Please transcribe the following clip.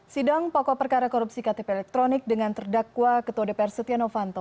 sidang pokok perkara korupsi ktp elektronik dengan terdakwa ketua dpr setia novanto